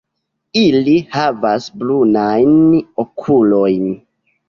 Ili havas brunajn okulojn.